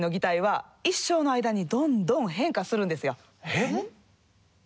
えっ？